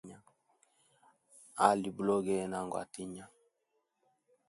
Ali buloge na ngwa tinya.